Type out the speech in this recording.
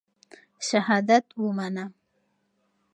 شهادت ومنه.